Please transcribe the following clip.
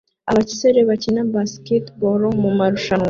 Abasore bakina basketball mumarushanwa